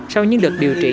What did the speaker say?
sau những lượt điều trị